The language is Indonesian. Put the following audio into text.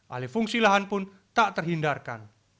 alifungsi lahan pun tak terhindarkan